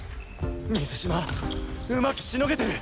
水嶋うまくしのげてる。